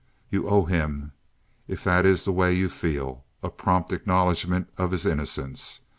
You owe him, if that is the way you feel, a prompt acknowledgment of his innocence.